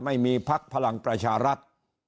ไม่มีภักษ์พลังประชารัฐ